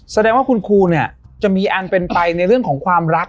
แสดงว่าคุณครูเนี่ยจะมีอันเป็นไปในเรื่องของความรัก